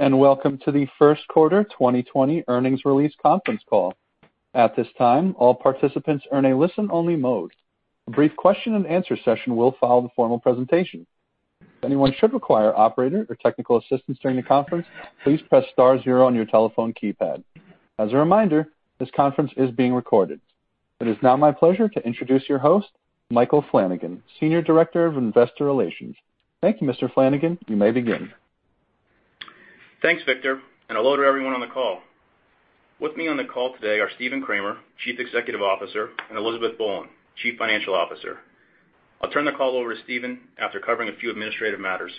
Welcome to the first quarter 2020 earnings release conference call. At this time, all participants are in a listen-only mode. A brief question-and-answer session will follow the formal presentation. If anyone should require operator or technical assistance during the conference, please press star zero on your telephone keypad. As a reminder, this conference is being recorded. It is now my pleasure to introduce your host, Michael Flanagan, Senior Director of Investor Relations. Thank you, Mr. Flanagan. You may begin. Thanks, Victor. Hello to everyone on the call. With me on the call today are Stephen Kramer, Chief Executive Officer, and Elizabeth Boland, Chief Financial Officer. I'll turn the call over to Stephen after covering a few administrative matters.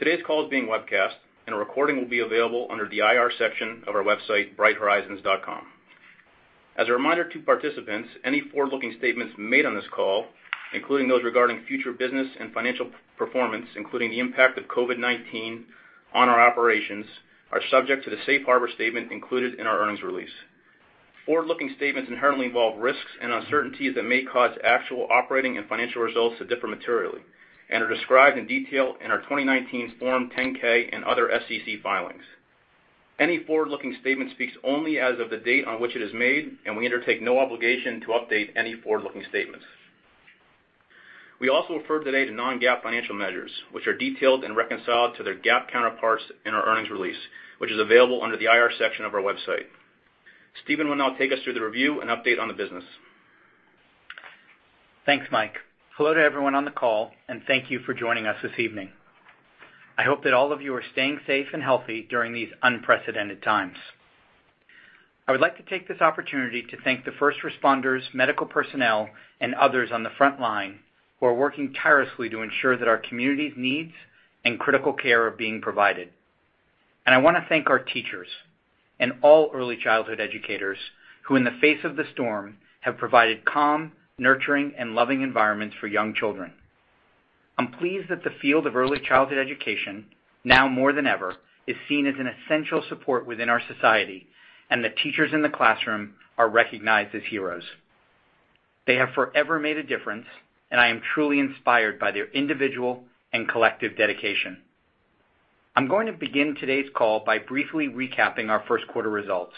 Today's call is being webcast. A recording will be available under the IR section of our website, brighthorizons.com. As a reminder to participants, any forward-looking statements made on this call, including those regarding future business and financial performance, including the impact of COVID-19 on our operations, are subject to the safe harbor statement included in our earnings release. Forward-looking statements inherently involve risks and uncertainties that may cause actual operating and financial results to differ materially and are described in detail in our 2019 Form 10-K and other SEC filings. Any forward-looking statement speaks only as of the date on which it is made, and we undertake no obligation to update any forward-looking statements. We also refer today to non-GAAP financial measures, which are detailed and reconciled to their GAAP counterparts in our earnings release, which is available under the IR section of our website. Stephen will now take us through the review and update on the business. Thanks, Mike. Hello to everyone on the call, thank you for joining us this evening. I hope that all of you are staying safe and healthy during these unprecedented times. I would like to take this opportunity to thank the first responders, medical personnel, and others on the front line who are working tirelessly to ensure that our community's needs and critical care are being provided. I want to thank our teachers and all early childhood educators, who in the face of the storm, have provided calm, nurturing, and loving environments for young children. I'm pleased that the field of early childhood education, now more than ever, is seen as an essential support within our society, and that teachers in the classroom are recognized as heroes. They have forever made a difference, and I am truly inspired by their individual and collective dedication. I'm going to begin today's call by briefly recapping our first quarter results.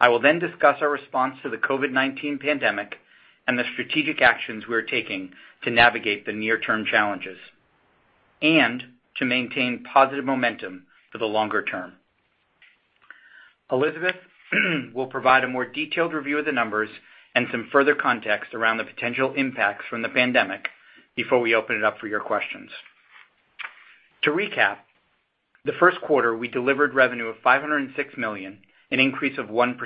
I will then discuss our response to the COVID-19 pandemic and the strategic actions we're taking to navigate the near-term challenges and to maintain positive momentum for the longer term. Elizabeth will provide a more detailed review of the numbers and some further context around the potential impacts from the pandemic before we open it up for your questions. To recap, the first quarter, we delivered revenue of $506 million, an increase of 1%,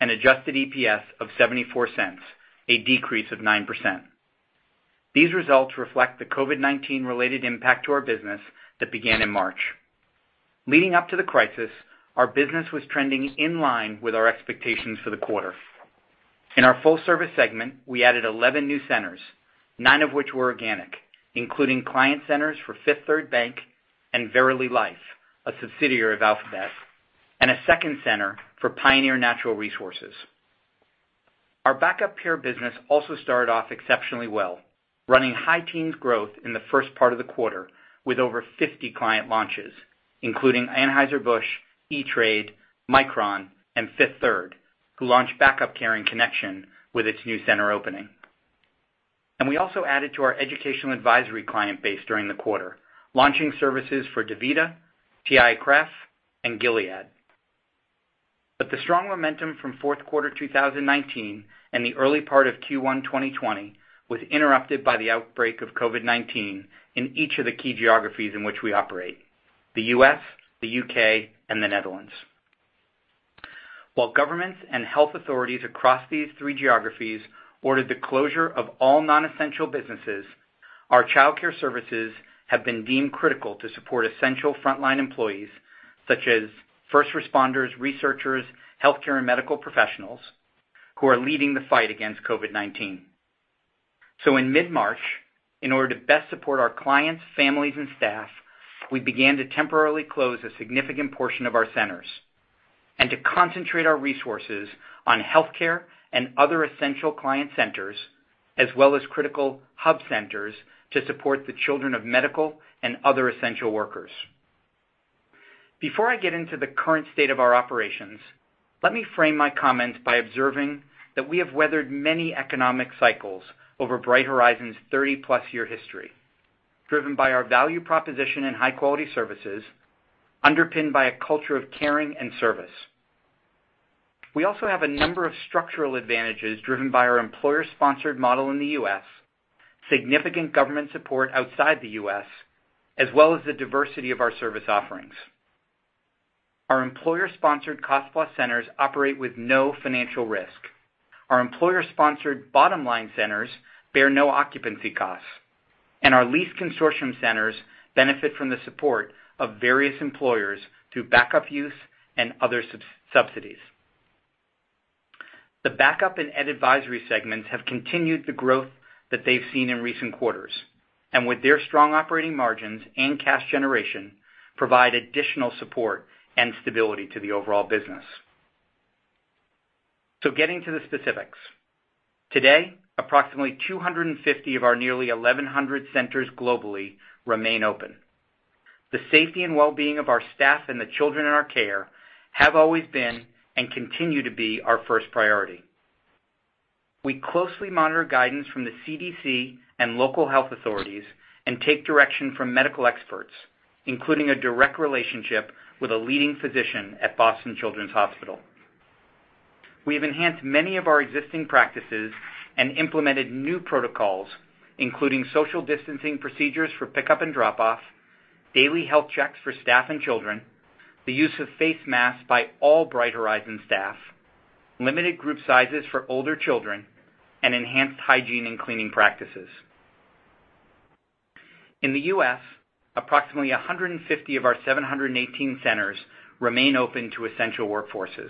and adjusted EPS of $0.74, a decrease of 9%. These results reflect the COVID-19 related impact to our business that began in March. Leading up to the crisis, our business was trending in line with our expectations for the quarter. In our full-service segment, we added 11 new centers, nine of which were organic, including client centers for Fifth Third Bank and Verily Life Sciences, a subsidiary of Alphabet, and a second center for Pioneer Natural Resources. Our backup care business also started off exceptionally well, running high teens growth in the first part of the quarter with over 50 client launches, including Anheuser-Busch, E*TRADE, Micron, and Fifth Third, who launched backup care in connection with its new center opening. We also added to our Educational Advisory client base during the quarter, launching services for DaVita, TIAA-CREF, and Gilead. The strong momentum from fourth quarter 2019 and the early part of Q1 2020 was interrupted by the outbreak of COVID-19 in each of the key geographies in which we operate: the U.S., the U.K., and the Netherlands. While governments and health authorities across these three geographies ordered the closure of all non-essential businesses, our childcare services have been deemed critical to support essential frontline employees, such as first responders, researchers, healthcare and medical professionals who are leading the fight against COVID-19. In mid-March, in order to best support our clients, families, and staff, we began to temporarily close a significant portion of our centers and to concentrate our resources on healthcare and other essential client centers, as well as critical hub centers to support the children of medical and other essential workers. Before I get into the current state of our operations, let me frame my comments by observing that we have weathered many economic cycles over Bright Horizons's 30+ year history, driven by our value proposition and high-quality services, underpinned by a culture of caring and service. We also have a number of structural advantages driven by our employer-sponsored model in the U.S., significant government support outside the U.S., as well as the diversity of our service offerings. Our employer-sponsored cost-plus centers operate with no financial risk. Our employer-sponsored bottom-line centers bear no occupancy costs. Our lease consortium centers benefit from the support of various employers through backup use and other subsidies. The backup and ed advisory segments have continued the growth that they've seen in recent quarters, and with their strong operating margins and cash generation, provide additional support and stability to the overall business. Getting to the specifics. Today, approximately 250 of our nearly 1,100 centers globally remain open. The safety and wellbeing of our staff and the children in our care have always been and continue to be our first priority. We closely monitor guidance from the CDC and local health authorities and take direction from medical experts, including a direct relationship with a leading physician at Boston Children's Hospital. We have enhanced many of our existing practices and implemented new protocols, including social distancing procedures for pickup and drop-off, daily health checks for staff and children, the use of face masks by all Bright Horizons staff, limited group sizes for older children, and enhanced hygiene and cleaning practices. In the U.S., approximately 150 of our 718 centers remain open to essential workforces.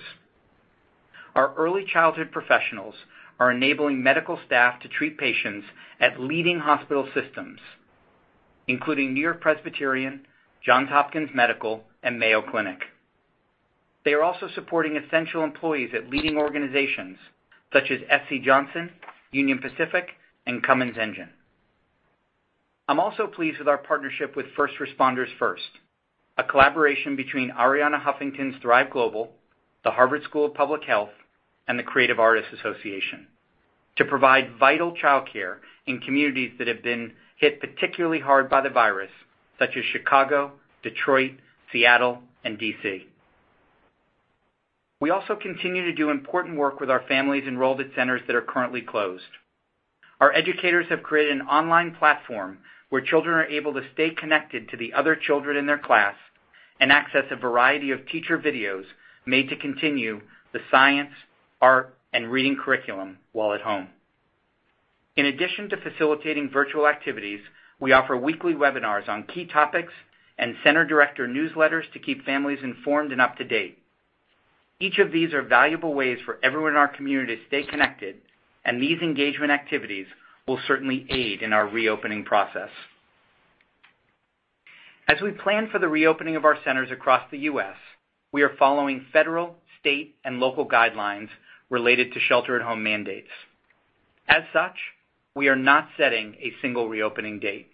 Our early childhood professionals are enabling medical staff to treat patients at leading hospital systems, including NewYork-Presbyterian, Johns Hopkins Medicine, and Mayo Clinic. They are also supporting essential employees at leading organizations such as SC Johnson, Union Pacific, and Cummins Inc. I'm also pleased with our partnership with First Responders First, a collaboration between Arianna Huffington's Thrive Global, the Harvard T.H. Chan School of Public Health, and the Creative Artists Agency, to provide vital childcare in communities that have been hit particularly hard by the virus, such as Chicago, Detroit, Seattle, and D.C. We also continue to do important work with our families enrolled at centers that are currently closed. Our educators have created an online platform where children are able to stay connected to the other children in their class and access a variety of teacher videos made to continue the science, art, and reading curriculum while at home. In addition to facilitating virtual activities, we offer weekly webinars on key topics and center director newsletters to keep families informed and up to date. Each of these are valuable ways for everyone in our community to stay connected, and these engagement activities will certainly aid in our reopening process. As we plan for the reopening of our centers across the U.S., we are following federal, state, and local guidelines related to shelter at home mandates. As such, we are not setting a single reopening date.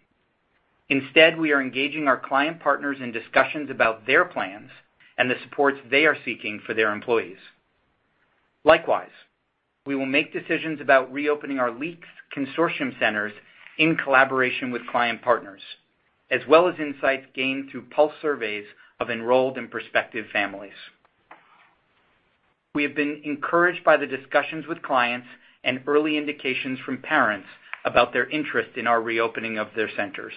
Instead, we are engaging our client partners in discussions about their plans and the supports they are seeking for their employees. Likewise, we will make decisions about reopening our LEAP Consortium centers in collaboration with client partners, as well as insights gained through pulse surveys of enrolled and prospective families. We have been encouraged by the discussions with clients and early indications from parents about their interest in our reopening of their centers.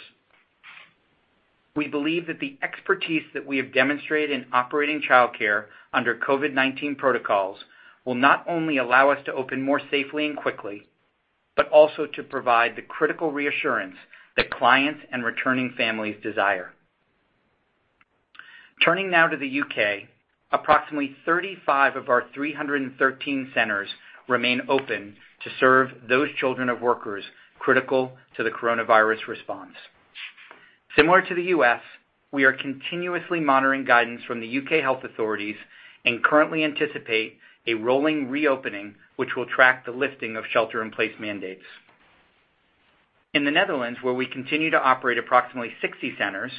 We believe that the expertise that we have demonstrated in operating childcare under COVID-19 protocols will not only allow us to open more safely and quickly, but also to provide the critical reassurance that clients and returning families desire. Turning now to the U.K., approximately 35 of our 313 centers remain open to serve those children of workers critical to the COVID-19 response. Similar to the U.S., we are continuously monitoring guidance from the U.K. health authorities and currently anticipate a rolling reopening, which will track the lifting of shelter in place mandates. In the Netherlands, where we continue to operate approximately 60 centers,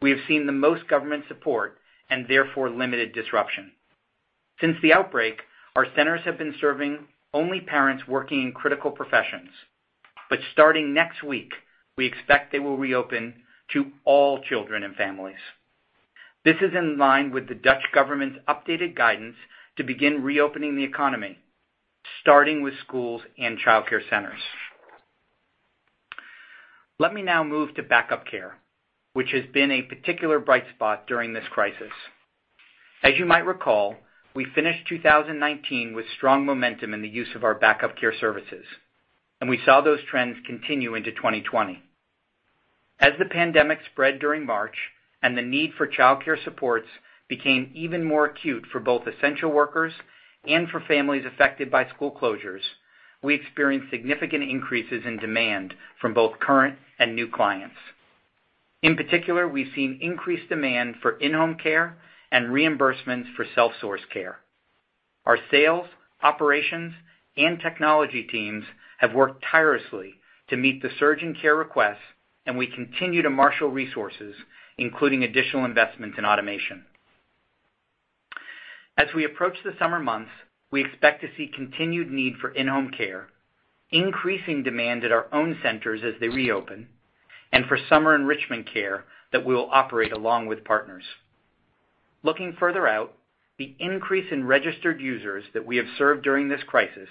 we have seen the most government support and therefore limited disruption. Since the outbreak, our centers have been serving only parents working in critical professions. Starting next week, we expect they will reopen to all children and families. This is in line with the Dutch government's updated guidance to begin reopening the economy, starting with schools and childcare centers. Let me now move to backup care, which has been a particular bright spot during this crisis. As you might recall, we finished 2019 with strong momentum in the use of our backup care services, and we saw those trends continue into 2020. As the pandemic spread during March and the need for childcare supports became even more acute for both essential workers and for families affected by school closures, we experienced significant increases in demand from both current and new clients. In particular, we've seen increased demand for in-home care and reimbursements for self-source care. Our sales, operations, and technology teams have worked tirelessly to meet the surge in care requests, and we continue to marshal resources, including additional investments in automation. As we approach the summer months, we expect to see continued need for in-home care, increasing demand at our own centers as they reopen, and for summer enrichment care that we'll operate along with partners. Looking further out, the increase in registered users that we have served during this crisis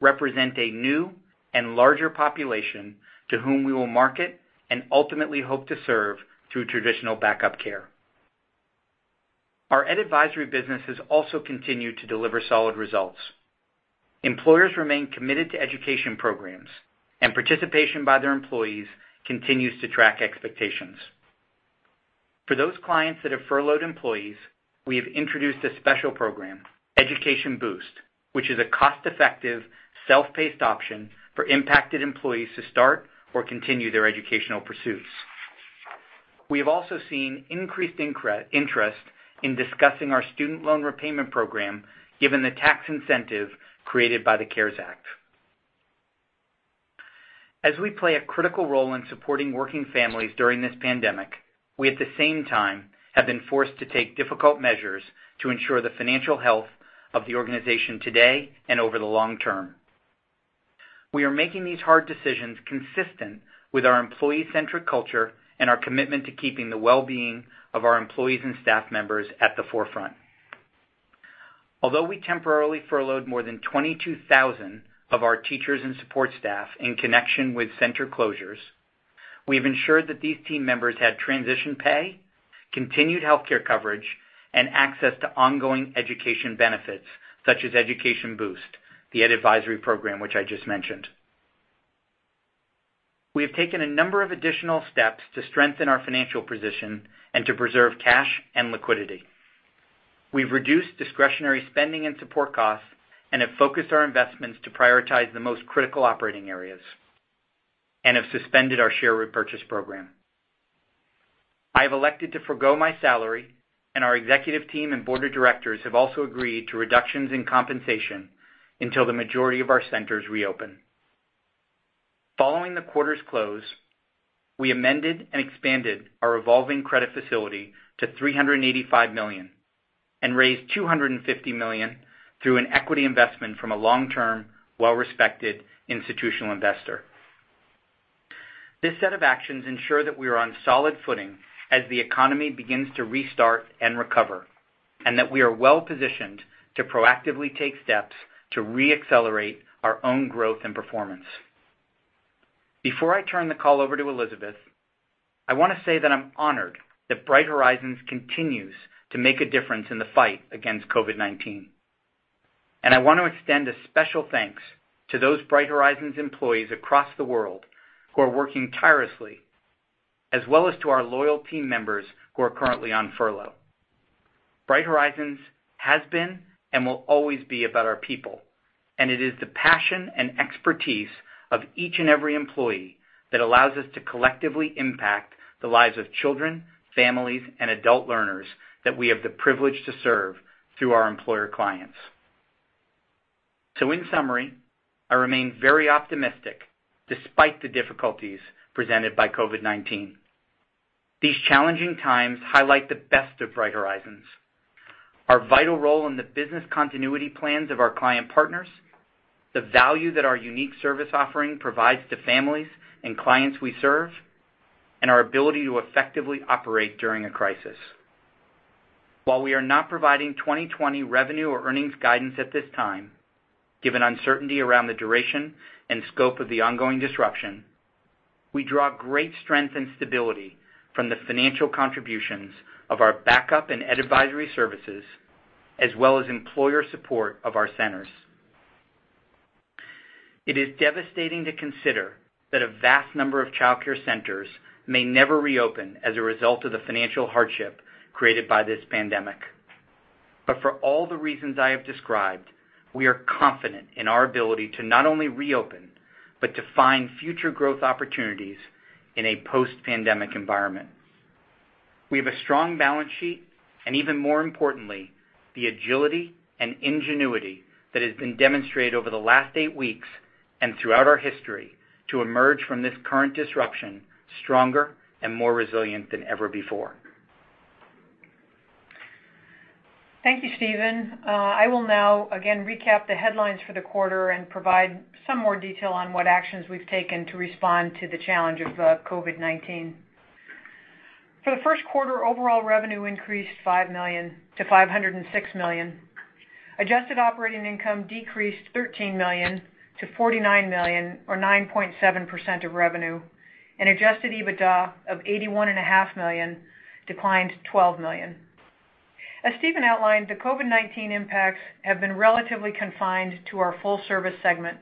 represent a new and larger population to whom we will market and ultimately hope to serve through traditional backup care. Our Advisory businesses also continue to deliver solid results. Employers remain committed to education programs, and participation by their employees continues to track expectations. For those clients that have furloughed employees, we have introduced a special program, Education Boost, which is a cost-effective, self-paced option for impacted employees to start or continue their educational pursuits. We have also seen increased interest in discussing our student loan repayment program, given the tax incentive created by the CARES Act. As we play a critical role in supporting working families during this pandemic, we at the same time have been forced to take difficult measures to ensure the financial health of the organization today and over the long term. We are making these hard decisions consistent with our employee-centric culture and our commitment to keeping the well-being of our employees and staff members at the forefront. Although we temporarily furloughed more than 22,000 of our teachers and support staff in connection with center closures, we've ensured that these team members had transition pay, continued healthcare coverage, and access to ongoing education benefits, such as Education Boost, the ed advisory program which I just mentioned. We have taken a number of additional steps to strengthen our financial position and to preserve cash and liquidity. We've reduced discretionary spending and support costs and have focused our investments to prioritize the most critical operating areas and have suspended our share repurchase program. I have elected to forgo my salary. Our executive team and board of directors have also agreed to reductions in compensation until the majority of our centers reopen. Following the quarter's close, we amended and expanded our revolving credit facility to $385 million and raised $250 million through an equity investment from a long-term, well-respected institutional investor. This set of actions ensure that we are on solid footing as the economy begins to restart and recover, and that we are well-positioned to proactively take steps to re-accelerate our own growth and performance. Before I turn the call over to Elizabeth, I want to say that I'm honored that Bright Horizons continues to make a difference in the fight against COVID-19. I want to extend a special thanks to those Bright Horizons employees across the world who are working tirelessly, as well as to our loyal team members who are currently on furlough. Bright Horizons has been and will always be about our people, and it is the passion and expertise of each and every employee that allows us to collectively impact the lives of children, families, and adult learners that we have the privilege to serve through our employer clients. In summary, I remain very optimistic despite the difficulties presented by COVID-19. These challenging times highlight the best of Bright Horizons, our vital role in the business continuity plans of our client partners, the value that our unique service offering provides to families and clients we serve, and our ability to effectively operate during a crisis. While we are not providing 2020 revenue or earnings guidance at this time, given uncertainty around the duration and scope of the ongoing disruption, we draw great strength and stability from the financial contributions of our backup and Ed Advisory Services, as well as employer support of our centers. It is devastating to consider that a vast number of childcare centers may never reopen as a result of the financial hardship created by this pandemic. But for all the reasons I have described, we are confident in our ability to not only reopen, but to find future growth opportunities in a post-pandemic environment. We have a strong balance sheet, and even more importantly, the agility and ingenuity that has been demonstrated over the last eight weeks and throughout our history to emerge from this current disruption stronger and more resilient than ever before. Thank you, Stephen. I will now again recap the headlines for the quarter and provide some more detail on what actions we've taken to respond to the challenge of COVID-19. For the first quarter, overall revenue increased $5 million to $506 million. Adjusted operating income decreased $13 million to $49 million, or 9.7% of revenue, and Adjusted EBITDA of $81.5 million, declined $12 million. As Stephen outlined, the COVID-19 impacts have been relatively confined to our full-service segment.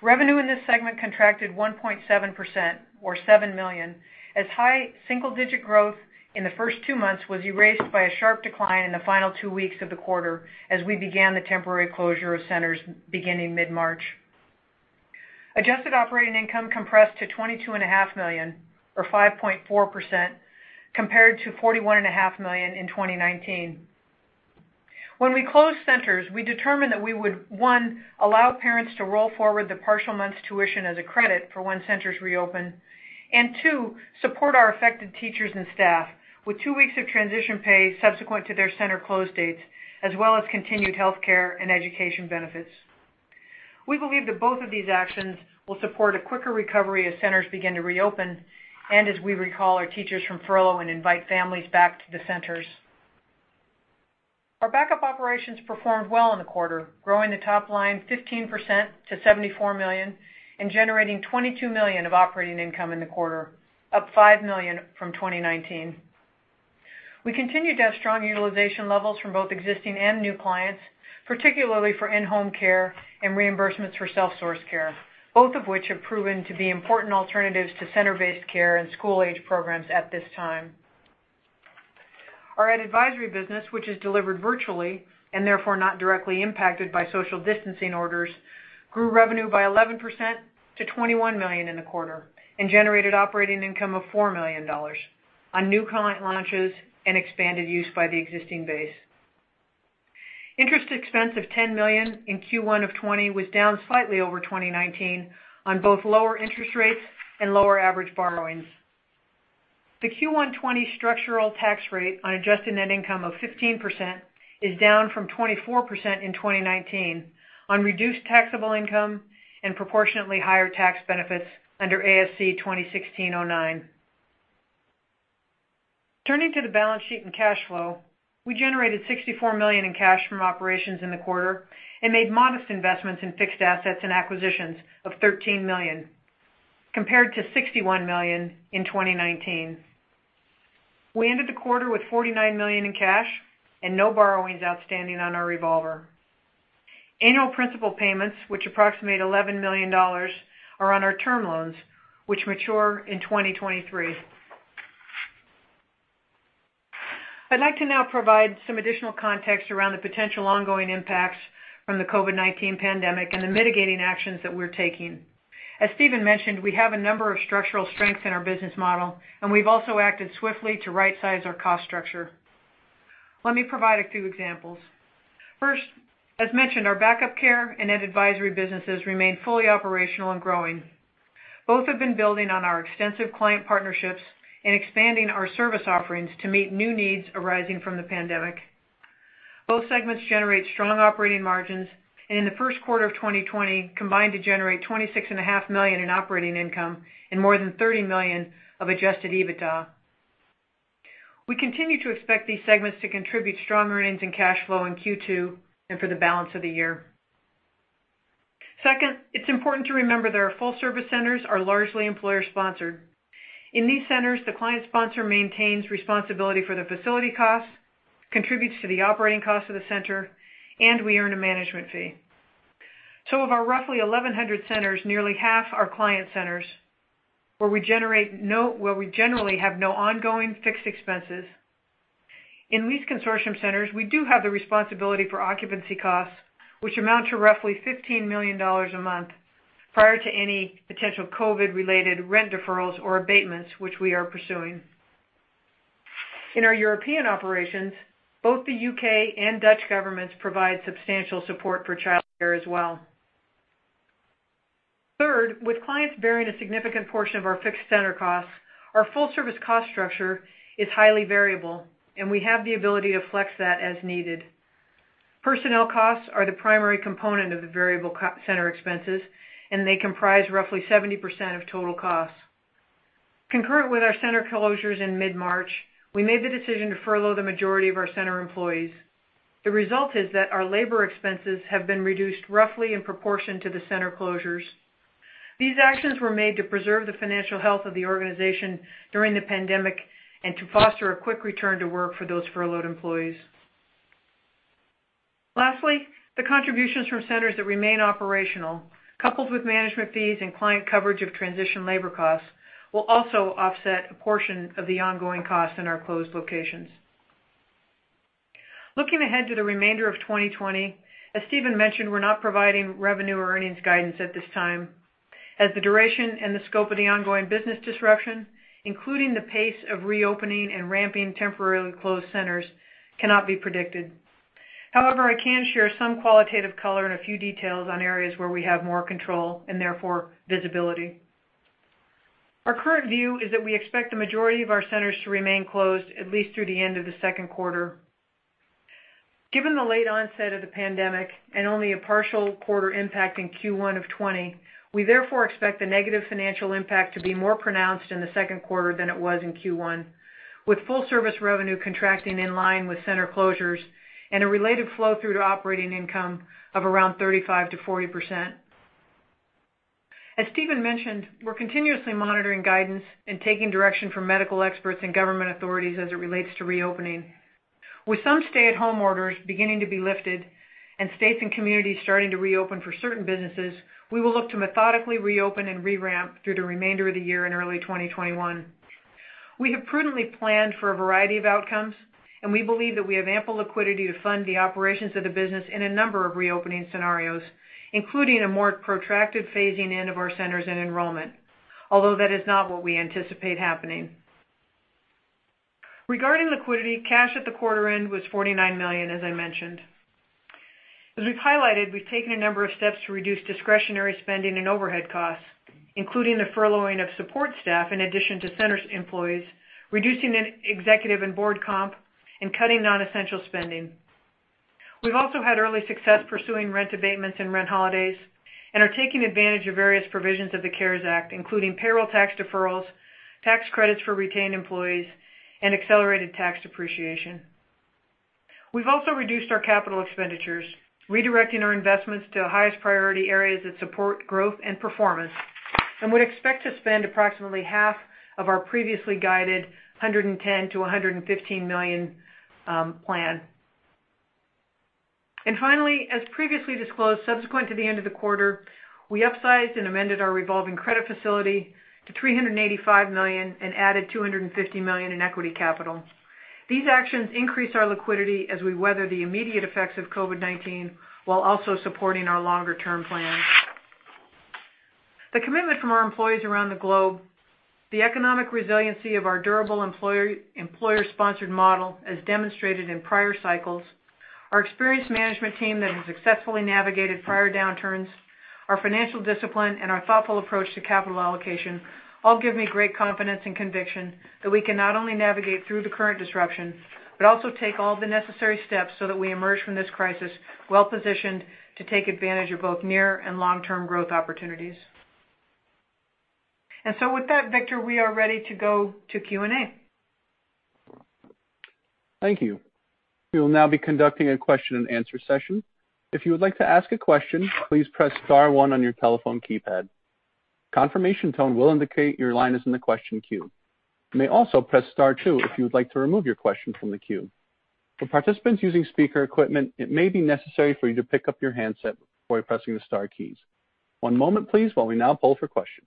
Revenue in this segment contracted 1.7%, or $7 million, as high single-digit growth in the first two months was erased by a sharp decline in the final two weeks of the quarter as we began the temporary closure of centers beginning mid-March. Adjusted operating income compressed to $22.5 million, or 5.4%, compared to $41.5 million in 2019. When we closed centers, we determined that we would, one, allow parents to roll forward the partial month's tuition as a credit for when centers reopen, and two, support our affected teachers and staff with two weeks of transition pay subsequent to their center close dates, as well as continued healthcare and education benefits. We believe that both of these actions will support a quicker recovery as centers begin to reopen, and as we recall our teachers from furlough and invite families back to the centers. Our backup care performed well in the quarter, growing the top line 15% to $74 million and generating $22 million of operating income in the quarter, up $5 million from 2019. We continued to have strong utilization levels from both existing and new clients, particularly for in-home care and reimbursements for self-sourced care, both of which have proven to be important alternatives to center-based care and school-age programs at this time. Our Ed Advisory business, which is delivered virtually and therefore not directly impacted by social distancing orders, grew revenue by 11% to $21 million in the quarter and generated operating income of $4 million on new client launches and expanded use by the existing base. Interest expense of $10 million in Q1 2020 was down slightly over 2019 on both lower interest rates and lower average borrowings. The Q1 2020 structural tax rate on adjusted net income of 15% is down from 24% in 2019 on reduced taxable income and proportionately higher tax benefits under ASU 2016-09. Turning to the balance sheet and cash flow, we generated $64 million in cash from operations in the quarter and made modest investments in fixed assets and acquisitions of $13 million, compared to $61 million in 2019. We ended the quarter with $49 million in cash and no borrowings outstanding on our revolver. Annual principal payments, which approximate $11 million, are on our term loans, which mature in 2023. I'd like to now provide some additional context around the potential ongoing impacts from the COVID-19 pandemic and the mitigating actions that we're taking. As Stephen mentioned, we have a number of structural strengths in our business model, and we've also acted swiftly to right-size our cost structure. Let me provide a few examples. First, as mentioned, our backup care and Educational Advisory businesses remain fully operational and growing. Both have been building on our extensive client partnerships and expanding our service offerings to meet new needs arising from the pandemic. Both segments generate strong operating margins. In the first quarter of 2020, combined to generate $26.5 million in operating income and more than $30 million of Adjusted EBITDA. We continue to expect these segments to contribute strong earnings and cash flow in Q2 and for the balance of the year. Second, it's important to remember that our Full-Service centers are largely employer-sponsored. In these centers, the client sponsor maintains responsibility for the facility costs, contributes to the operating cost of the center, and we earn a management fee. Of our roughly 1,100 centers, nearly half are client centers, where we generally have no ongoing fixed expenses. In leased consortium centers, we do have the responsibility for occupancy costs, which amount to roughly $15 million a month, prior to any potential COVID-related rent deferrals or abatements, which we are pursuing. In our European operations, both the U.K. and Dutch governments provide substantial support for childcare as well. With clients bearing a significant portion of our fixed center costs, our full-service cost structure is highly variable, and we have the ability to flex that as needed. Personnel costs are the primary component of the variable center expenses, and they comprise roughly 70% of total costs. Concurrent with our center closures in mid-March, we made the decision to furlough the majority of our center employees. The result is that our labor expenses have been reduced roughly in proportion to the center closures. These actions were made to preserve the financial health of the organization during the pandemic and to foster a quick return to work for those furloughed employees. The contributions from centers that remain operational, coupled with management fees and client coverage of transition labor costs, will also offset a portion of the ongoing costs in our closed locations. Looking ahead to the remainder of 2020, as Stephen mentioned, we're not providing revenue or earnings guidance at this time, as the duration and the scope of the ongoing business disruption, including the pace of reopening and ramping temporarily closed centers, cannot be predicted. I can share some qualitative color and a few details on areas where we have more control, and therefore, visibility. Our current view is that we expect the majority of our centers to remain closed at least through the end of the second quarter. Given the late onset of the pandemic and only a partial quarter impact in Q1 of 2020, we therefore expect the negative financial impact to be more pronounced in the second quarter than it was in Q1, with full-service revenue contracting in line with center closures and a related flow-through to operating income of around 35%-40%. As Stephen mentioned, we're continuously monitoring guidance and taking direction from medical experts and government authorities as it relates to reopening. With some stay-at-home orders beginning to be lifted and states and communities starting to reopen for certain businesses, we will look to methodically reopen and re-ramp through the remainder of the year and early 2021. We have prudently planned for a variety of outcomes, and we believe that we have ample liquidity to fund the operations of the business in a number of reopening scenarios, including a more protracted phasing in of our centers and enrollment. That is not what we anticipate happening. Regarding liquidity, cash at the quarter end was $49 million, as I mentioned. As we've highlighted, we've taken a number of steps to reduce discretionary spending and overhead costs, including the furloughing of support staff in addition to centers' employees, reducing executive and board comp, and cutting non-essential spending. We've also had early success pursuing rent abatements and rent holidays and are taking advantage of various provisions of the CARES Act, including payroll tax deferrals, tax credits for retained employees, and accelerated tax depreciation. We've also reduced our capital expenditures, redirecting our investments to highest priority areas that support growth and performance, would expect to spend approximately half of our previously guided $110 million-$115 million plan. Finally, as previously disclosed, subsequent to the end of the quarter, we upsized and amended our revolving credit facility to $385 million and added $250 million in equity capital. These actions increase our liquidity as we weather the immediate effects of COVID-19, while also supporting our longer-term plans. The commitment from our employees around the globe, the economic resiliency of our durable employer-sponsored model as demonstrated in prior cycles, our experienced management team that has successfully navigated prior downturns, our financial discipline, and our thoughtful approach to capital allocation all give me great confidence and conviction that we can not only navigate through the current disruption, but also take all the necessary steps so that we emerge from this crisis well-positioned to take advantage of both near and long-term growth opportunities. With that, Victor, we are ready to go to Q&A. Thank you. We will now be conducting a question-and-answer session. If you would like to ask a question, please press star one on your telephone keypad. A confirmation tone will indicate your line is in the question queue. You may also press star two if you would like to remove your question from the queue. For participants using speaker equipment, it may be necessary for you to pick up your handset before pressing the star keys. One moment please while we now poll for questions.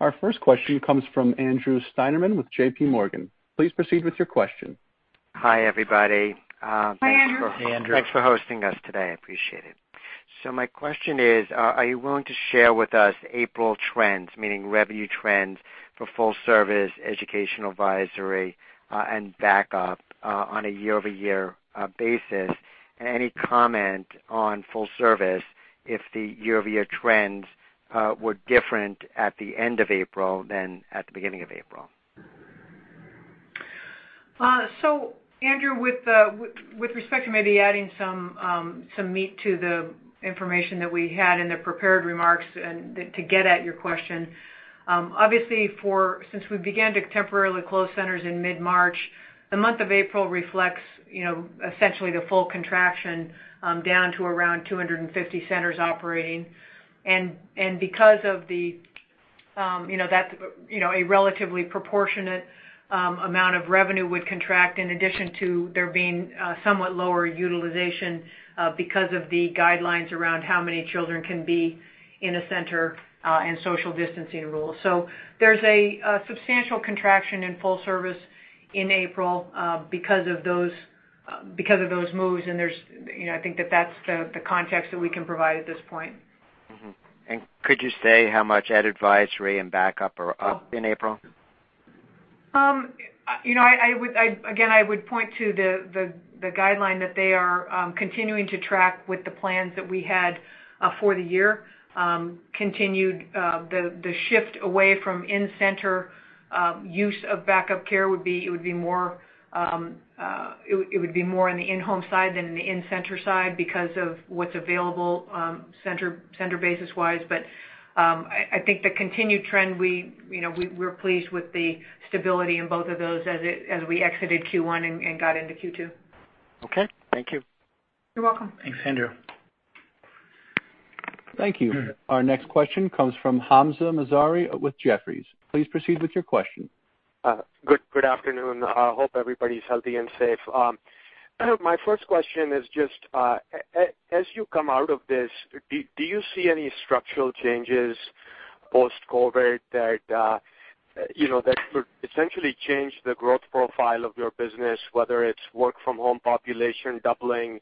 Our first question comes from Andrew Steinerman with JPMorgan. Please proceed with your question. Hi, everybody. Hi, Andrew. Hey, Andrew. Thanks for hosting us today. I appreciate it. My question is, are you willing to share with us April trends, meaning revenue trends for full-service, Educational Advisory, and backup care, on a year-over-year basis? Any comment on full-service if the year-over-year trends were different at the end of April than at the beginning of April? Andrew, with respect to maybe adding some meat to the information that we had in the prepared remarks and to get at your question, obviously since we began to temporarily close centers in mid-March, the month of April reflects essentially the full contraction, down to around 250 centers operating. Because of a relatively proportionate amount of revenue would contract in addition to there being somewhat lower utilization because of the guidelines around how many children can be in a center, and social distancing rules. There's a substantial contraction in full-service in April because of those moves, and I think that that's the context that we can provide at this point. Mm-hmm. Could you say how much Educational Advisory and backup are up in April? Again, I would point to the guideline that they are continuing to track with the plans that we had for the year. Continued the shift away from in-center use of backup care, it would be more in the in-home side than in the in-center side because of what's available center basis-wise. I think the continued trend, we're pleased with the stability in both of those as we exited Q1 and got into Q2. Okay. Thank you. You're welcome. Thanks, Andrew. Thank you. Our next question comes from Hamzah Mazari with Jefferies. Please proceed with your question. Good afternoon. Hope everybody's healthy and safe. My first question is just, as you come out of this, do you see any structural changes post-COVID that could essentially change the growth profile of your business, whether it's work from home population doubling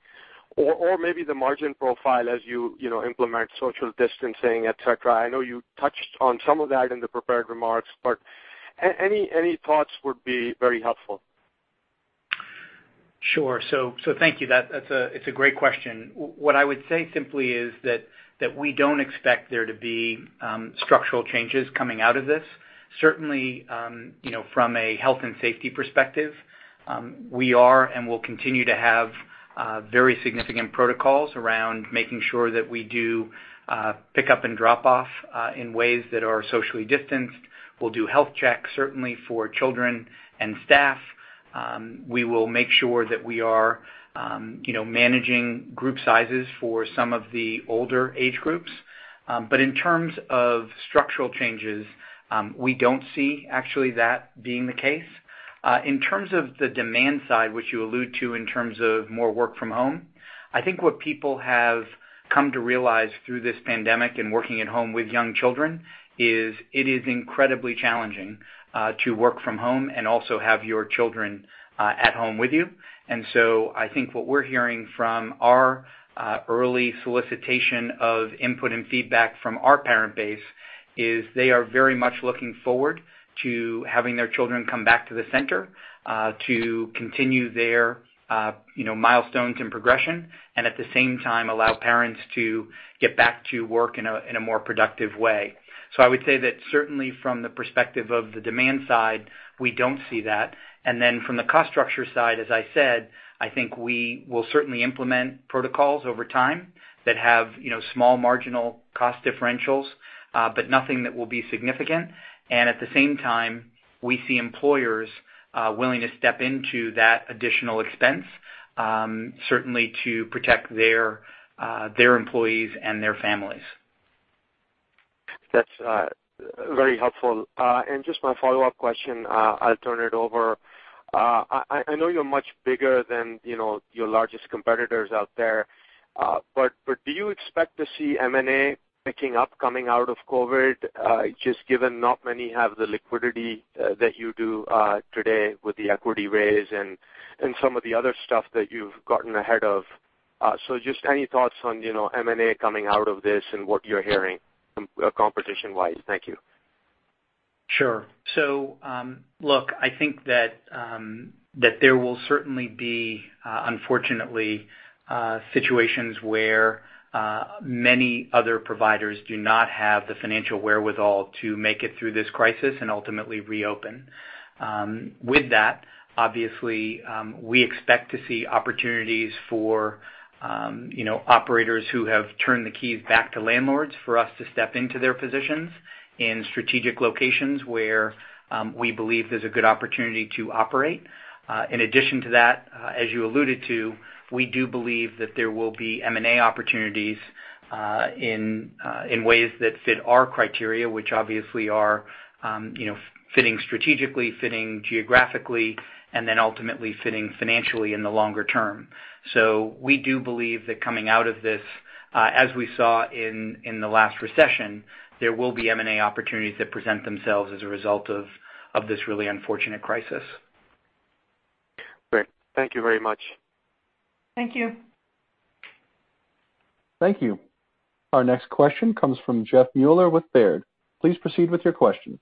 or maybe the margin profile as you implement social distancing, et cetera? I know you touched on some of that in the prepared remarks. Any thoughts would be very helpful. Sure. Thank you. It's a great question. What I would say simply is that we don't expect there to be structural changes coming out of this. Certainly, from a health and safety perspective, we are and will continue to have very significant protocols around making sure that we do pick up and drop off in ways that are socially distanced. We'll do health checks, certainly for children and staff. We will make sure that we are managing group sizes for some of the older age groups. In terms of structural changes, we don't see actually that being the case. In terms of the demand side, which you allude to in terms of more work from home, I think what people have come to realize through this pandemic and working at home with young children is it is incredibly challenging to work from home and also have your children at home with you. I think what we're hearing from our early solicitation of input and feedback from our parent base is they are very much looking forward to having their children come back to the center, to continue their milestones and progression, and at the same time, allow parents to get back to work in a more productive way. I would say that certainly from the perspective of the demand side, we don't see that. From the cost structure side, as I said, I think we will certainly implement protocols over time that have small marginal cost differentials, but nothing that will be significant. At the same time, we see employers willing to step into that additional expense, certainly to protect their employees and their families. That's very helpful. Just my follow-up question, I'll turn it over. I know you're much bigger than your largest competitors out there, do you expect to see M&A picking up, coming out of COVID, just given not many have the liquidity that you do today with the equity raise and some of the other stuff that you've gotten ahead of? Just any thoughts on M&A coming out of this and what you're hearing competition-wise? Thank you. Sure. Look, I think that there will certainly be, unfortunately, situations where many other providers do not have the financial wherewithal to make it through this crisis and ultimately reopen. With that, obviously, we expect to see opportunities for operators who have turned the keys back to landlords, for us to step into their positions in strategic locations where we believe there's a good opportunity to operate. In addition to that, as you alluded to, we do believe that there will be M&A opportunities in ways that fit our criteria, which obviously are fitting strategically, fitting geographically, and then ultimately fitting financially in the longer term. We do believe that coming out of this, as we saw in the last recession, there will be M&A opportunities that present themselves as a result of this really unfortunate crisis. Great. Thank you very much. Thank you. Thank you. Our next question comes from Jeff Meuler with Baird. Please proceed with your question.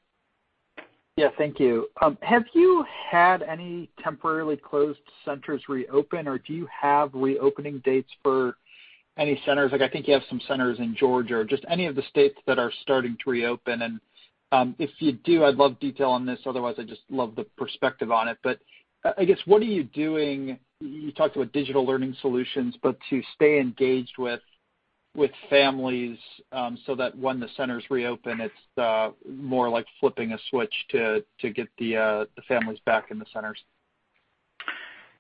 Yeah, thank you. Have you had any temporarily closed centers reopen, or do you have reopening dates for any centers? I think you have some centers in Georgia or just any of the states that are starting to reopen. If you do, I'd love detail on this. Otherwise, I'd just love the perspective on it. I guess, what are you doing, you talked about digital learning solutions, but to stay engaged with families, so that when the centers reopen, it's more like flipping a switch to get the families back in the centers?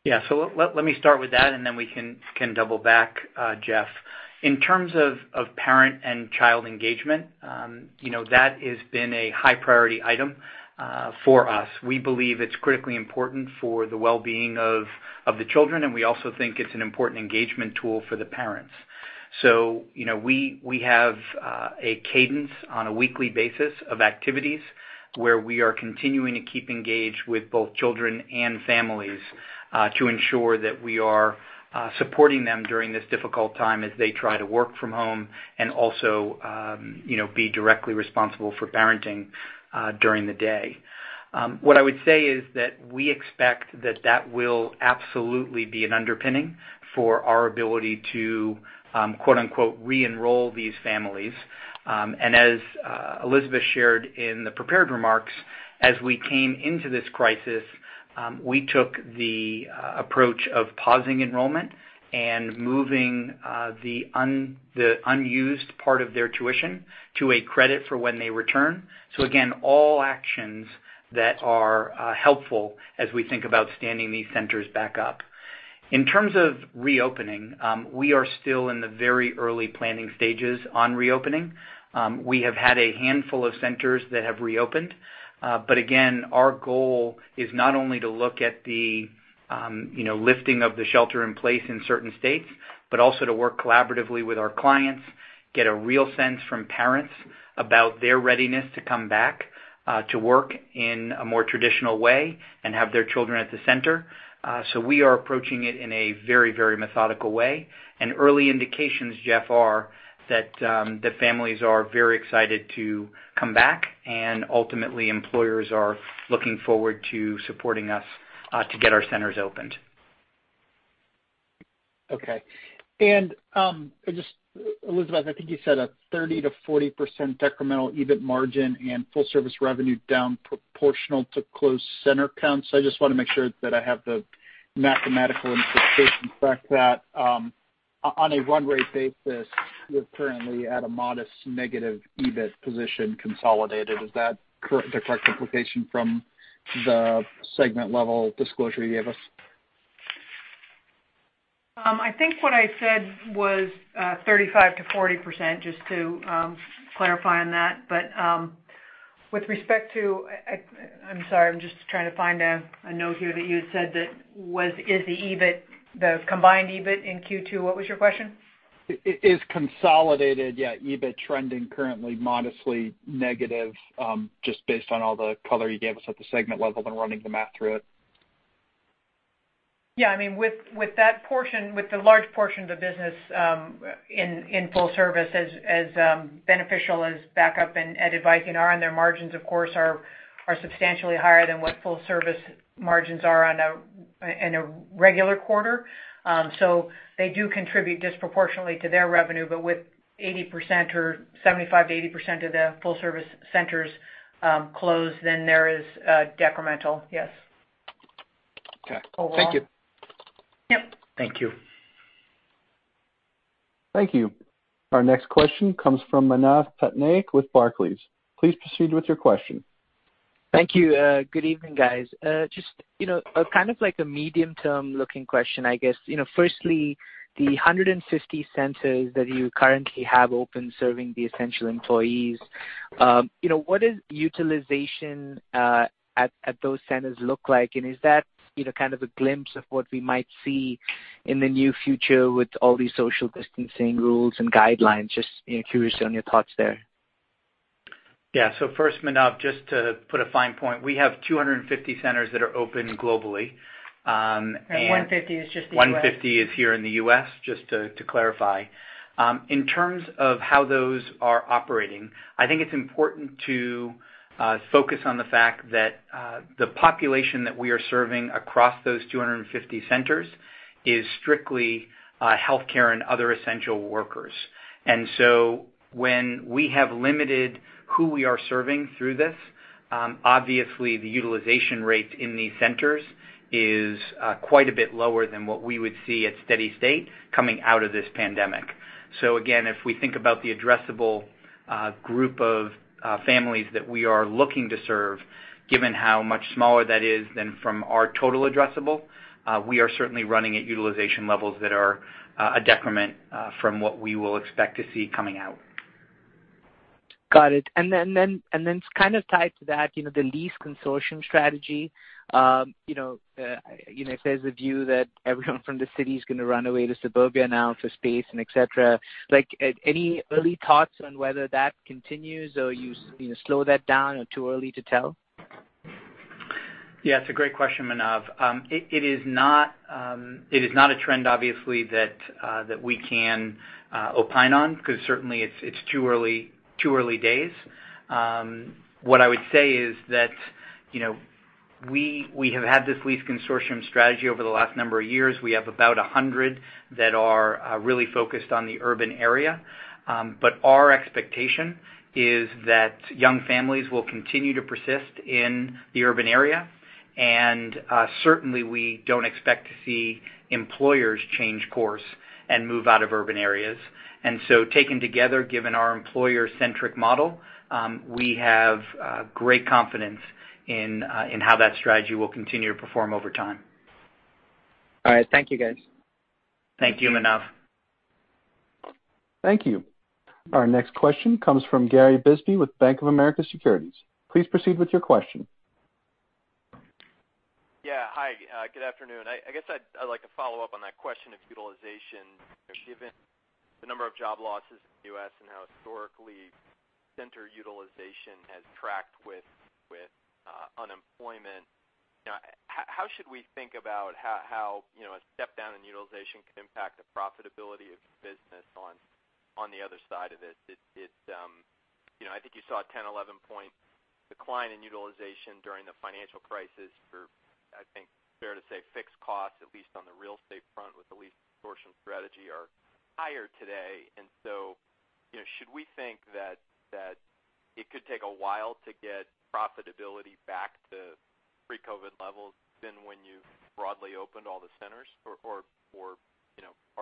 Yeah. Let me start with that, and then we can double back, Jeff. In terms of parent and child engagement, that has been a high-priority item for us. We believe it's critically important for the well-being of the children, and we also think it's an important engagement tool for the parents. We have a cadence on a weekly basis of activities where we are continuing to keep engaged with both children and families, to ensure that we are supporting them during this difficult time as they try to work from home and also be directly responsible for parenting during the day. What I would say is that we expect that that will absolutely be an underpinning for our ability to quote unquote "reenroll" these families. As Elizabeth shared in the prepared remarks, as we came into this crisis, we took the approach of pausing enrollment and moving the unused part of their tuition to a credit for when they return. Again, all actions that are helpful as we think about standing these centers back up. In terms of reopening, we are still in the very early planning stages on reopening. We have had a handful of centers that have reopened. Again, our goal is not only to look at the lifting of the shelter in place in certain states, but also to work collaboratively with our clients, get a real sense from parents about their readiness to come back to work in a more traditional way and have their children at the center. We are approaching it in a very, very methodical way. Early indications, Jeff, are that the families are very excited to come back, and ultimately, employers are looking forward to supporting us to get our centers opened. Okay. Just Elizabeth, I think you said a 30%-40% decremental EBIT margin and full-service revenue down proportional to close center counts. I just want to make sure that I have the mathematical interpretation. Correct that. On a run rate basis, you're currently at a modest negative EBIT position consolidated. Is that the correct implication from the segment-level disclosure you gave us? I think what I said was 35%-40%, just to clarify on that. With respect to, I'm sorry, I'm just trying to find a note here that you had said that is the combined EBIT in Q2. What was your question? Is consolidated EBIT trending currently modestly negative? Just based on all the color you gave us at the segment level and running the math through it. Yeah, with the large portion of the business in full-service, as beneficial as backup care and Educational Advisory are, and their margins, of course, are substantially higher than what full-service margins are in a regular quarter. They do contribute disproportionately to their revenue, but with 80% or 75%-80% of the full-service centers closed, then there is a decremental, yes. Okay. Overall. Thank you. Yep. Thank you. Thank you. Our next question comes from Manav Patnaik Thank you. Good evening, guys. Just kind of like a medium-term looking question, I guess. Firstly, the 150 centers that you currently have open serving the essential employees, what does utilization at those centers look like? Is that kind of a glimpse of what we might see in the near future with all these social distancing rules and guidelines? Just curious on your thoughts there. First, Manav, just to put a fine point, we have 250 centers that are open globally. 150 is just the U.S. 150 is here in the U.S., just to clarify. In terms of how those are operating, I think it's important to focus on the fact that the population that we are serving across those 250 centers is strictly healthcare and other essential workers. When we have limited who we are serving through this, obviously the utilization rates in these centers is quite a bit lower than what we would see at steady state coming out of this pandemic. Again, if we think about the addressable group of families that we are looking to serve, given how much smaller that is than from our total addressable, we are certainly running at utilization levels that are a decrement from what we will expect to see coming out. Got it. Kind of tied to that, the lease consortium strategy. If there's a view that everyone from the city is going to run away to suburbia now for space and et cetera, any early thoughts on whether that continues or you slow that down or too early to tell? Yeah, it's a great question, Manav. It is not a trend, obviously, that we can opine on because certainly it's too early days. What I would say is that, we have had this lease consortium strategy over the last number of years. We have about 100 that are really focused on the urban area. Our expectation is that young families will continue to persist in the urban area, and certainly we don't expect to see employers change course and move out of urban areas. Taken together, given our employer-centric model, we have great confidence in how that strategy will continue to perform over time. All right. Thank you, guys. Thank you, Manav. Thank you. Our next question comes from Gary Bisbee with Bank of America Securities. Please proceed with your question. Yeah. Hi, good afternoon. I guess I'd like to follow up on that question of utilization, given the number of job losses in the U.S. and how historically center utilization has tracked with unemployment. How should we think about how a step down in utilization can impact the profitability of your business on the other side of this? I think you saw a 10, 11 point decline in utilization during the financial crisis for, I think fair to say, fixed costs, at least on the real estate front with the lease consortium strategy are higher today. Should we think that it could take a while to get profitability back to pre-COVID levels than when you've broadly opened all the centers?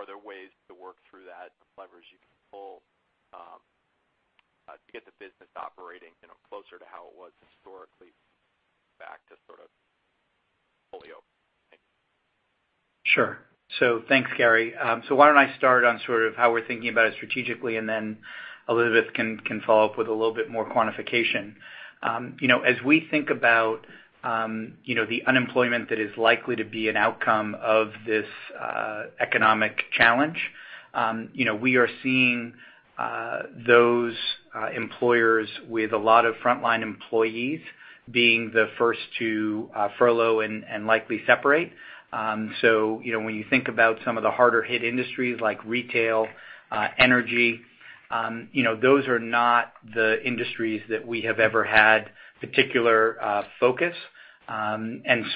Are there ways to work through that, levers you can pull, to get the business operating closer to how it was historically back to sort of fully open? Sure. Thanks, Gary. Why don't I start on sort of how we're thinking about it strategically, and then Elizabeth can follow up with a little bit more quantification. As we think about the unemployment that is likely to be an outcome of this economic challenge, we are seeing those employers with a lot of frontline employees being the first to furlough and likely separate. When you think about some of the harder hit industries like retail, energy, those are not the industries that we have ever had particular focus. As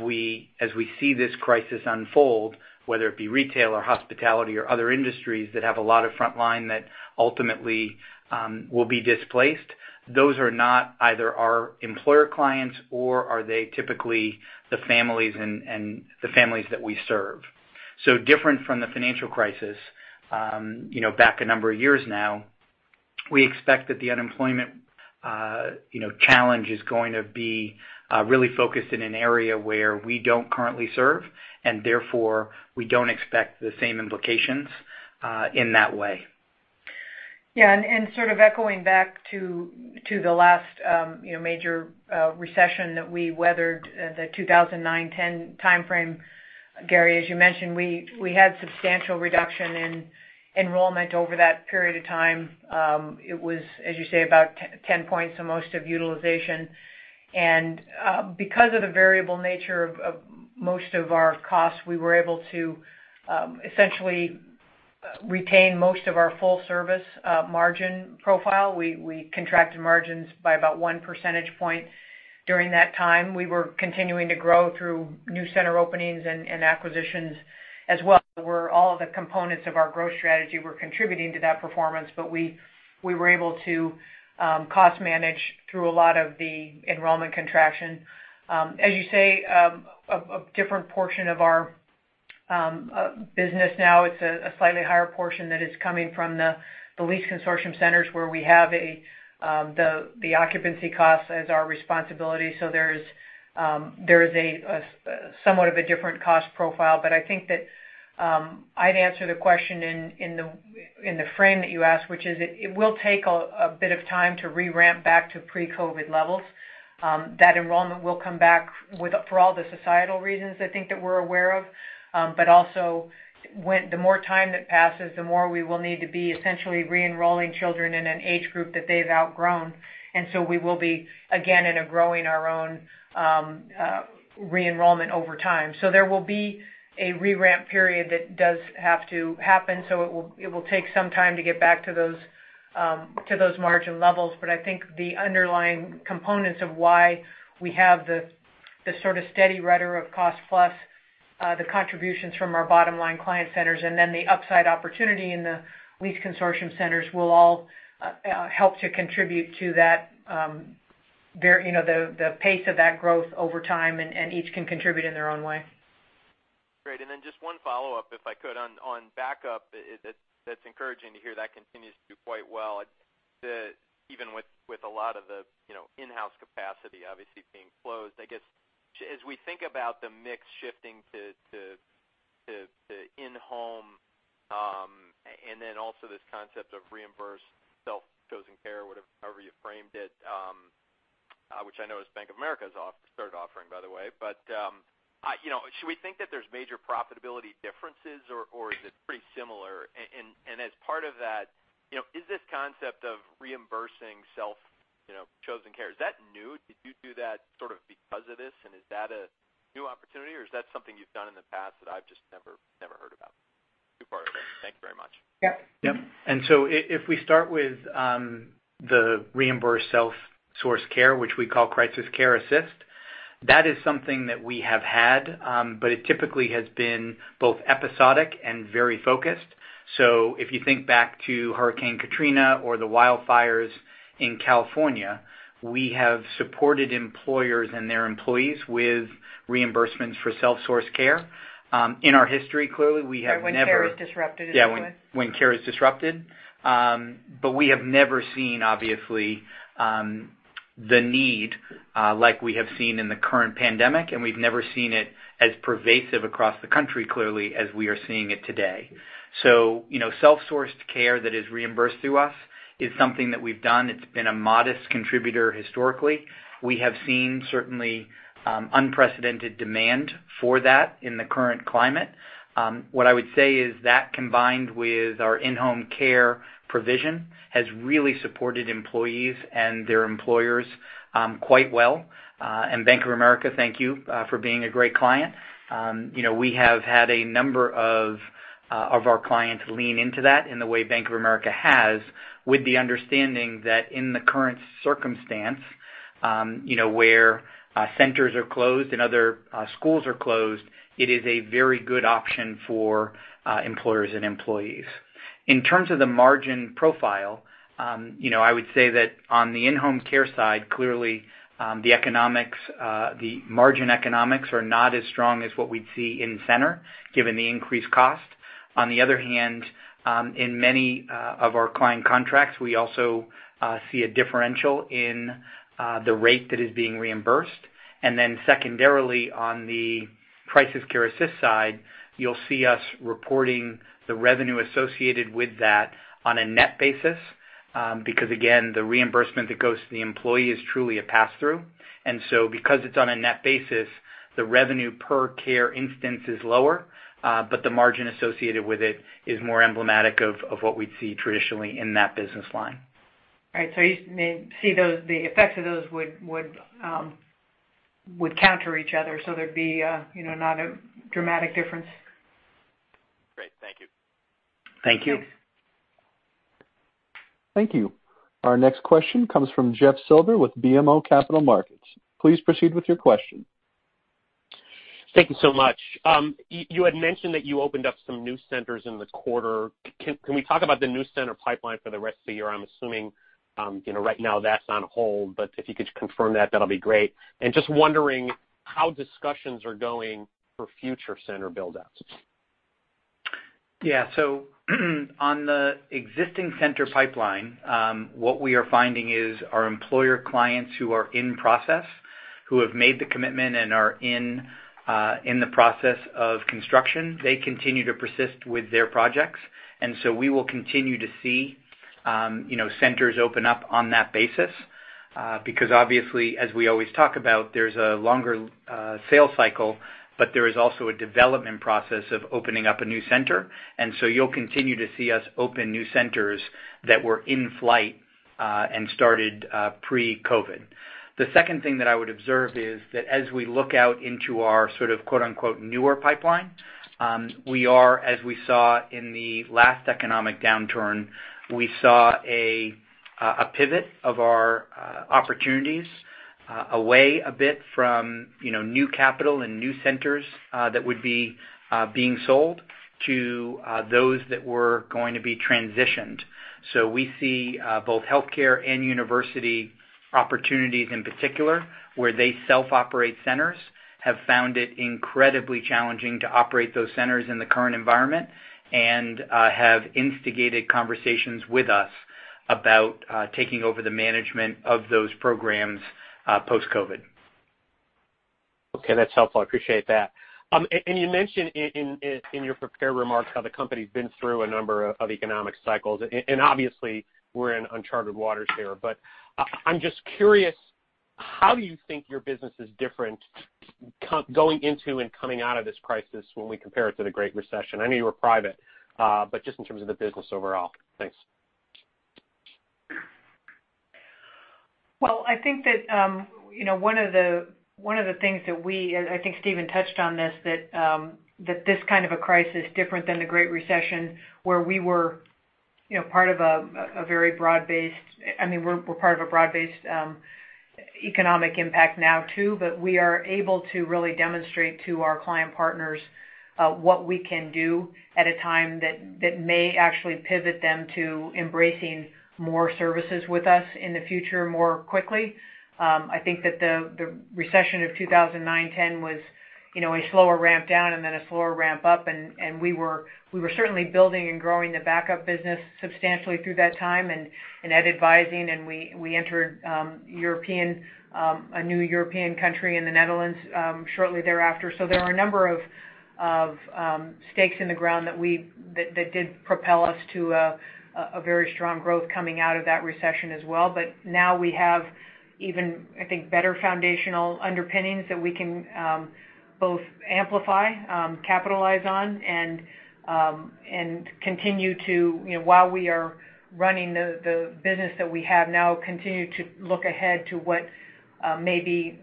we see this crisis unfold, whether it be retail or hospitality or other industries that have a lot of frontline that ultimately will be displaced, those are not either our employer clients or are they typically the families that we serve. Different from the financial crisis back a number of years now, we expect that the unemployment challenge is going to be really focused in an area where we don't currently serve, and therefore, we don't expect the same implications in that way. Yeah, sort of echoing back to the last major recession that we weathered, the 2009-2010 timeframe, Gary, as you mentioned, we had substantial reduction in enrollment over that period of time. It was, as you say, about 10 points the most of utilization. Because of the variable nature of most of our costs, we were able to essentially retain most of our full-service margin profile. We contracted margins by about one percentage point during that time. We were continuing to grow through new center openings and acquisitions as well, where all of the components of our growth strategy were contributing to that performance. We were able to cost manage through a lot of the enrollment contraction. As you say, a different portion of our business now. It's a slightly higher portion that is coming from the lease consortium centers where we have the occupancy cost as our responsibility. There is somewhat of a different cost profile. I think that I'd answer the question in the frame that you asked, which is, it will take a bit of time to re-ramp back to pre-COVID levels. That enrollment will come back for all the societal reasons I think that we're aware of. Also, the more time that passes, the more we will need to be essentially re-enrolling children in an age group that they've outgrown. We will be, again, in a growing our own re-enrollment over time. There will be a re-ramp period that does have to happen. It will take some time to get back to those margin levels. I think the underlying components of why we have this sort of steady rudder of cost-plus the contributions from our bottom-line client centers, and then the upside opportunity in the lease consortium centers will all help to contribute to the pace of that growth over time, and each can contribute in their own way. Great. Then just one follow-up, if I could, on backup care. That's encouraging to hear that continues to do quite well, even with a lot of the in-house capacity obviously being closed. I guess, as we think about the mix shifting to in-home, then also this concept of Crisis Care Assist, however you framed it, which I know is Bank of America's third offering, by the way. Should we think that there's major profitability differences, or is it pretty similar? As part of that, is this concept of Crisis Care Assist, is that new? Did you do that sort of because of this, is that a new opportunity, or is that something you've done in the past that I've just never heard about? Two-parter there. Thank you very much. Yep. Yep. If we start with the reimbursed self-sourced care, which we call Crisis Care Assist, that is something that we have had, but it typically has been both episodic and very focused. If you think back to Hurricane Katrina or the wildfires in California, we have supported employers and their employees with reimbursements for self-sourced care. In our history, clearly, we have never. When care is disrupted, you mean? Yeah, when care is disrupted. We have never seen, obviously, the need like we have seen in the current COVID-19 pandemic, and we've never seen it as pervasive across the U.S., clearly, as we are seeing it today. Self-sourced care that is reimbursed through us is something that we've done. It's been a modest contributor historically. We have seen, certainly, unprecedented demand for that in the current climate. What I would say is that combined with our in-home care provision, has really supported employees and their employers quite well. Bank of America, thank you for being a great client. We have had a number of our clients lean into that in the way Bank of America has, with the understanding that in the current circumstance, where centers are closed and other schools are closed, it is a very good option for employers and employees. In terms of the margin profile, I would say that on the in-home care side, clearly, the margin economics are not as strong as what we'd see in center, given the increased cost. On the other hand, in many of our client contracts, we also see a differential in the rate that is being reimbursed. Secondarily, on the Crisis Care Assist side, you'll see us reporting the revenue associated with that on a net basis. Because again, the reimbursement that goes to the employee is truly a pass-through. Because it's on a net basis, the revenue per care instance is lower, but the margin associated with it is more emblematic of what we'd see traditionally in that business line. Right. You see the effects of those would counter each other, so there'd be not a dramatic difference. Great. Thank you. Thank you. Thanks. Thank you. Our next question comes from Jeff Silber with BMO Capital Markets. Please proceed with your question. Thank you so much. You had mentioned that you opened up some new centers in the quarter. Can we talk about the new center pipeline for the rest of the year? I'm assuming, right now that's on hold, but if you could confirm that'll be great. Just wondering how discussions are going for future center build-outs. Yeah. On the existing center pipeline, what we are finding is our employer clients who are in process, who have made the commitment and are in the process of construction, they continue to persist with their projects. We will continue to see centers open up on that basis. Obviously, as we always talk about, there's a longer sales cycle, but there is also a development process of opening up a new center. You'll continue to see us open new centers that were in flight and started pre-COVID. The second thing that I would observe is that as we look out into our sort of, quote unquote, "newer pipeline," we are, as we saw in the last economic downturn, we saw a pivot of our opportunities away a bit from new capital and new centers that would be being sold to those that were going to be transitioned. We see both healthcare and university opportunities in particular, where they self-operate centers, have found it incredibly challenging to operate those centers in the current environment, and have instigated conversations with us about taking over the management of those programs post-COVID. Okay, that's helpful. I appreciate that. You mentioned in your prepared remarks how the company's been through a number of economic cycles, and obviously we're in uncharted waters here, but I'm just curious, how do you think your business is different going into and coming out of this crisis when we compare it to the Great Recession? I know you were private, but just in terms of the business overall. Thanks. Well, I think that one of the things that we, and I think Stephen touched on this, that this kind of a crisis, different than the Great Recession, where we're part of a broad-based economic impact now, too. We are able to really demonstrate to our client partners what we can do at a time that may actually pivot them to embracing more services with us in the future more quickly. I think that the recession of 2009-10 was a slower ramp down and then a slower ramp up. We were certainly building and growing the backup business substantially through that time and Ed Advising, and we entered a new European country in the Netherlands shortly thereafter. There are a number of stakes in the ground that did propel us to a very strong growth coming out of that recession as well. Now we have even, I think, better foundational underpinnings that we can both amplify, capitalize on, and while we are running the business that we have now, continue to look ahead to what may be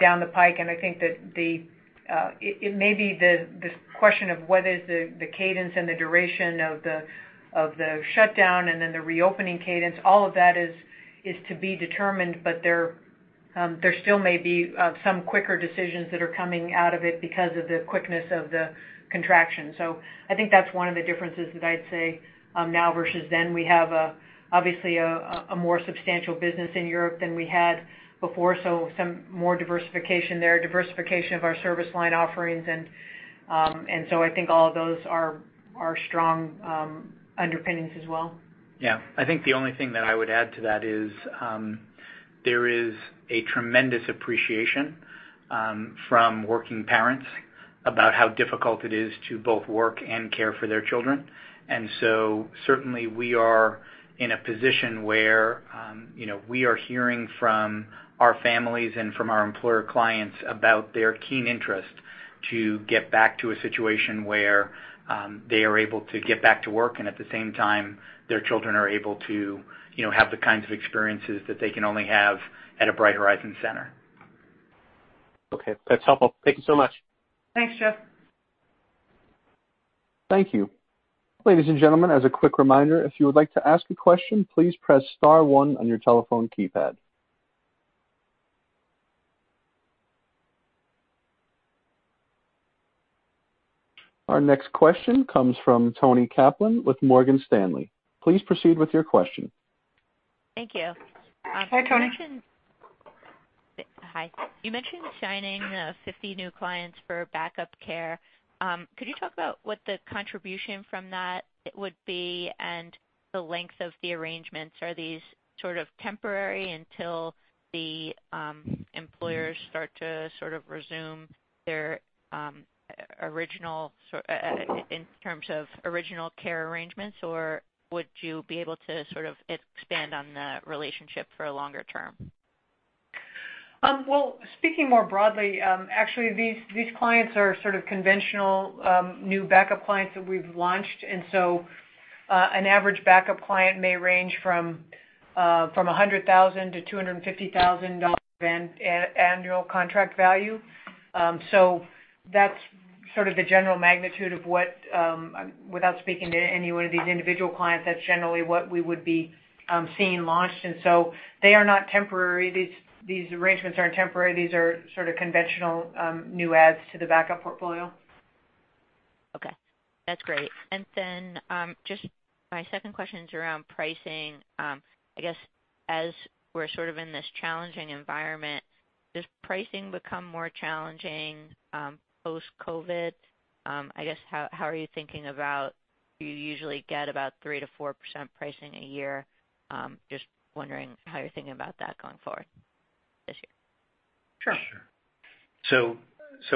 down the pike. I think that it may be this question of what is the cadence and the duration of the shutdown and then the reopening cadence. All of that is to be determined, but there still may be some quicker decisions that are coming out of it because of the quickness of the contraction. I think that's one of the differences that I'd say now versus then. We have obviously a more substantial business in Europe than we had before, so some more diversification there, diversification of our service line offerings. I think all of those are strong underpinnings as well. Yeah. I think the only thing that I would add to that is, there is a tremendous appreciation from working parents about how difficult it is to both work and care for their children. Certainly we are in a position where we are hearing from our families and from our employer clients about their keen interest to get back to a situation where they are able to get back to work, and at the same time, their children are able to have the kinds of experiences that they can only have at a Bright Horizons center. Okay. That's helpful. Thank you so much. Thanks, Jeff. Thank you. Ladies and gentlemen, as a quick reminder, if you would like to ask a question, please press star one on your telephone keypad. Our next question comes from Toni Kaplan with Morgan Stanley. Please proceed with your question. Thank you. Hi, Toni. Hi. You mentioned signing 50 new clients for backup care. Could you talk about what the contribution from that would be and the length of the arrangements? Are these temporary until the employers start to resume in terms of original care arrangements, or would you be able to expand on the relationship for a longer term? Well, speaking more broadly, actually, these clients are conventional new backup clients that we've launched. An average backup client may range from $100,000 to $250,000 in annual contract value. That's the general magnitude, without speaking to any one of these individual clients, that's generally what we would be seeing launched. These arrangements aren't temporary. These are conventional new adds to the backup portfolio. Okay, that's great. Just my second question's around pricing. I guess as we're in this challenging environment, does pricing become more challenging post-COVID? I guess, you usually get about 3%-4% pricing a year. Just wondering how you're thinking about that going forward this year.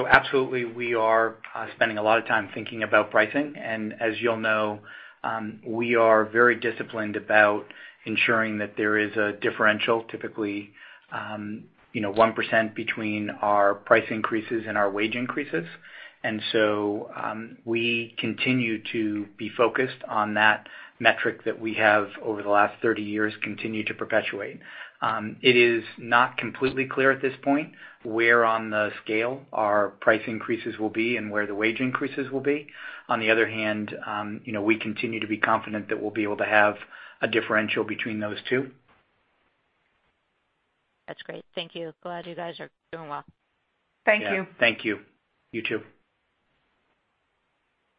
Absolutely we are spending a lot of time thinking about pricing. As you all know, we are very disciplined about ensuring that there is a differential, typically 1% between our price increases and our wage increases. We continue to be focused on that metric that we have over the last 30 years continued to perpetuate. It is not completely clear at this point where on the scale our price increases will be and where the wage increases will be. On the other hand, we continue to be confident that we'll be able to have a differential between those two. That's great. Thank you. Glad you guys are doing well. Thank you. Yeah. Thank you. You too.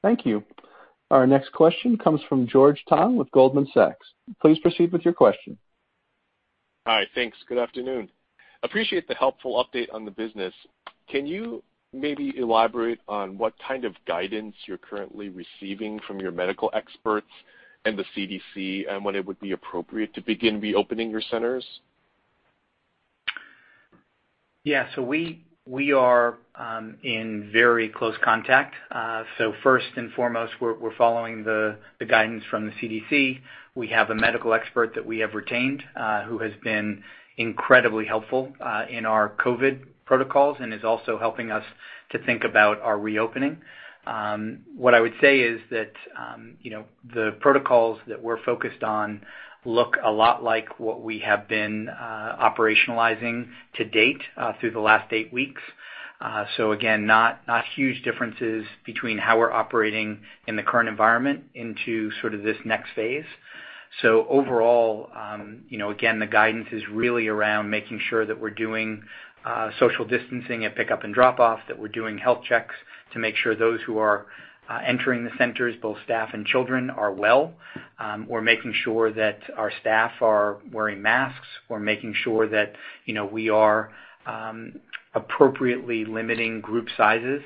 Thank you. Our next question comes from George Tong with Goldman Sachs. Please proceed with your question. Hi. Thanks. Good afternoon. Appreciate the helpful update on the business. Can you maybe elaborate on what kind of guidance you're currently receiving from your medical experts and the CDC, and when it would be appropriate to begin reopening your centers? Yeah. We are in very close contact. First and foremost, we're following the guidance from the CDC. We have a medical expert that we have retained, who has been incredibly helpful in our COVID protocols and is also helping us to think about our reopening. What I would say is that the protocols that we're focused on look a lot like what we have been operationalizing to date, through the last eight weeks. Again, not huge differences between how we're operating in the current environment into this next phase. Overall, again, the guidance is really around making sure that we're doing social distancing at pick-up and drop-off, that we're doing health checks to make sure those who are entering the centers, both staff and children, are well. We're making sure that our staff are wearing masks. We're making sure that we are appropriately limiting group sizes,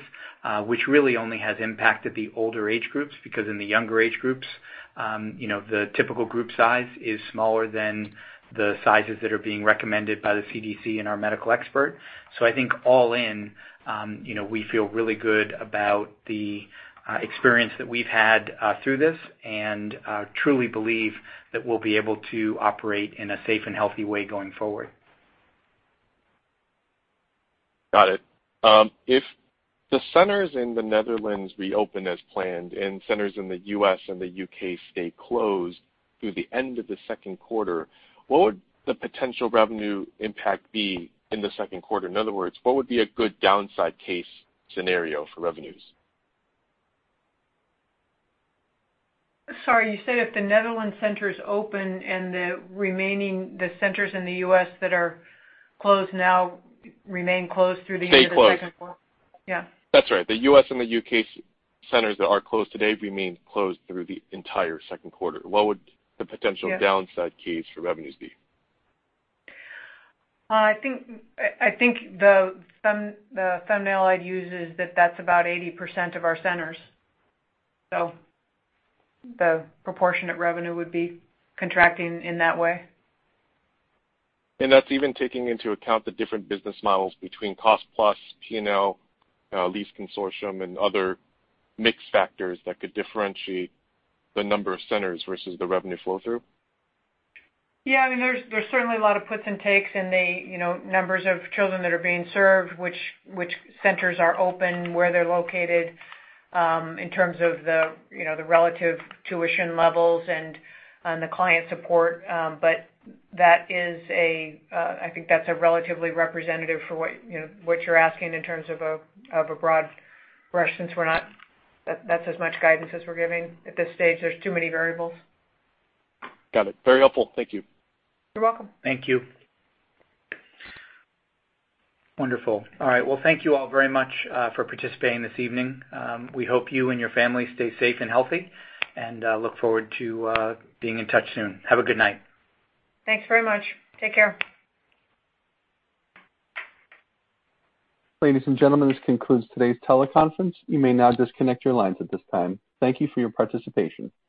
which really only has impacted the older age groups, because in the younger age groups, the typical group size is smaller than the sizes that are being recommended by the CDC and our medical expert. I think all in, we feel really good about the experience that we've had through this, and truly believe that we'll be able to operate in a safe and healthy way going forward. Got it. If the centers in the Netherlands reopen as planned, and centers in the U.S. and the U.K. stay closed through the end of the second quarter, what would the potential revenue impact be in the second quarter? In other words, what would be a good downside case scenario for revenues? Sorry, you said if the Netherlands centers open and the centers in the U.S. that are closed now remain closed through the end of the second quarter. Stay closed. Yeah. That's right, the U.S. and the U.K. centers that are closed today remain closed through the entire second quarter. What would the potential- Yeah downside case for revenues be? I think the thumbnail I'd use is that that's about 80% of our centers. The proportionate revenue would be contracting in that way. That's even taking into account the different business models between cost-plus, P&L, lease consortium, and other mix factors that could differentiate the number of centers versus the revenue flow-through? Yeah. There's certainly a lot of puts and takes in the numbers of children that are being served, which centers are open, where they're located, in terms of the relative tuition levels and the client support. I think that's relatively representative for what you're asking in terms of a broad brush, since that's as much guidance as we're giving at this stage. There's too many variables. Got it. Very helpful. Thank you. You're welcome. Thank you. Wonderful. All right. Thank you all very much for participating this evening. We hope you and your family stay safe and healthy, and look forward to being in touch soon. Have a good night. Thanks very much. Take care. Ladies and gentlemen, this concludes today's teleconference. You may now disconnect your lines at this time. Thank you for your participation.